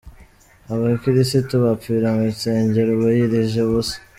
Abakirisitu bapfira mu nsengero biyirije ubusa .